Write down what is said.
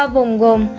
ba vùng gồm